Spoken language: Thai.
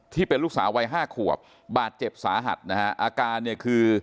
ที่เป็นลูกสาววัยห้าขวบบาดเจ็บสาหัสนะฮะอาการเนี่ยคือ